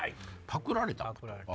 パクられた？